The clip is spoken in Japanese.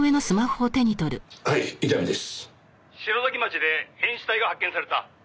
「篠崎町で変死体が発見された」